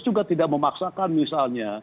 juga tidak memaksakan misalnya